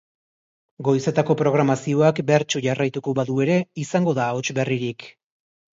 Goizetako programazioak bertsu jarraituko badu ere, izango da ahots berririk.